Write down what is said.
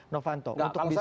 novanto untuk bisa